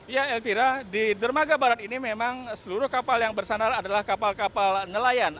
ya elvira di dermaga barat ini memang seluruh kapal yang bersandar adalah kapal kapal nelayan